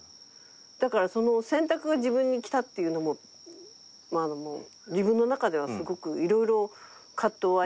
だからその選択が自分に来たっていうのも自分の中ではすごく色々葛藤はありましたけど。